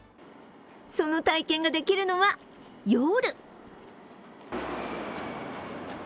その体験ができるのは、夜。